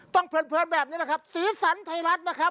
ต้องเพลินแบบนี้นะครับศรีสรรค์ไทยรัฐนะครับ